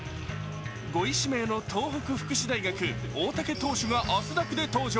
５位指名の東北福祉大学の大竹風雅投手が汗だくで登場。